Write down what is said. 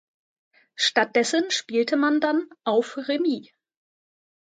Stattdessen spielt man dann „auf Remis“.